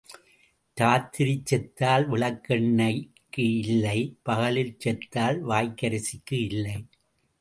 இராத்திரி செத்தால் விளக்கெண்ணெய்க்கு இல்லை பகலில் செத்தால் வாய்க்கரிசிக்கு இல்லை.